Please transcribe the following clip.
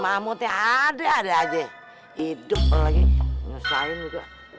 ada ada aja hidup lagi nyusahin juga